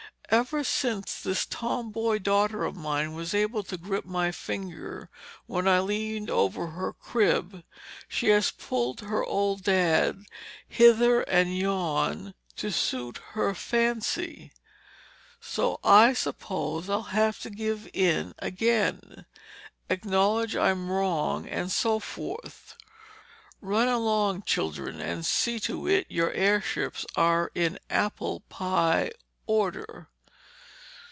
"Ever since this tomboy daughter of mine was able to grip my finger when I leaned over her crib, she has pulled her old Dad hither and yon to suit her fancy. So I suppose I'll have to give in again—acknowledge I'm wrong, and so forth. Run along, children, and see to it your airships are in apple pie order."